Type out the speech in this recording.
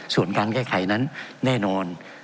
ส่วนการแก้ไขนั้นแน่นอน